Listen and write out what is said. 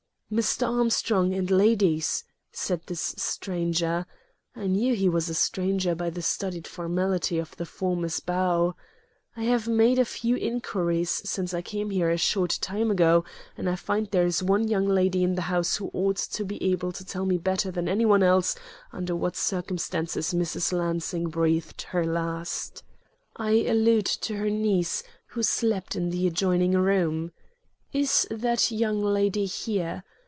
"Mr. Armstrong and ladies!" said this stranger (I knew he was a stranger by the studied formality of the former's bow). "I have made a few inquiries since I came here a short time ago, and I find that there is one young lady in the house who ought to be able to tell me better than any one else under what circumstances Mrs. Lansing breathed her last. I allude to her niece, who slept in the adjoining room. Is that young lady here?